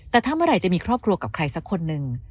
แต่ถ้าเมื่อไหร่จะมีครอบครัวกับใครสักคนหนึ่ง